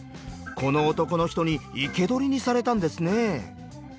この男の人に生け捕りにされたんですね。